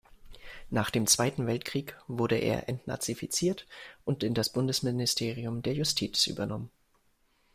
Nach dem Zweiten Weltkrieg wurde er entnazifiziert und in das Bundesministerium der Justiz übernommen.